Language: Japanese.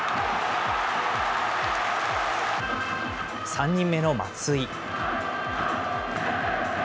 ３人目の松井。